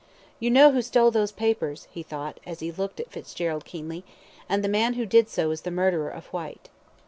"You know who stole those papers," he thought, as he looked at Fitzgerald, keenly, "and the man who did so is the murderer of Whyte."